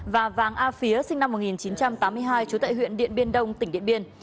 và vàng a phía sinh năm một nghìn chín trăm tám mươi hai trú tại huyện điện biên đông tỉnh điện biên